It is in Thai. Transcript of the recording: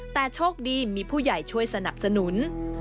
แต่โชคดีมีผู้ใหญ่ช่วยสนับสนุน